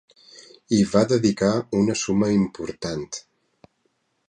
Hi va dedicar una suma important.